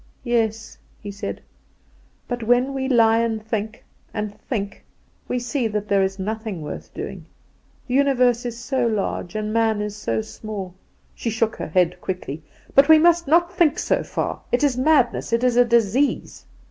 "Yes," he said; "but when we lie and think, and think, we see that there is nothing worth doing. The universe is so large, and man is so small " She shook her head quickly. "But we must not think so far; it is madness, it is a disease.